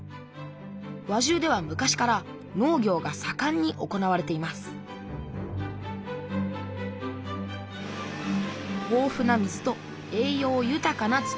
輪中では昔から農業がさかんに行われています豊富な水と栄養豊かな土。